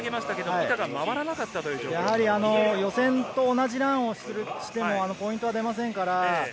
やはり予選と同じランをしてもポイントは出ませんから。